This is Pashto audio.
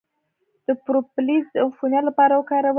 د پروپولیس د عفونت لپاره وکاروئ